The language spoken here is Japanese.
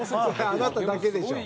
あなただけでしょ。